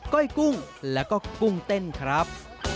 ้อยกุ้งแล้วก็กุ้งเต้นครับ